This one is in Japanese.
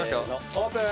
オープン！